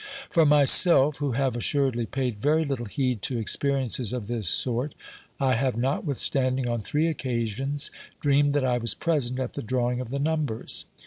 For myself, who have assuredly paid very little heed to experiences of this sort, I have, notwithstanding, on three occasions, dreamed that I was present at the drawing of the numbers.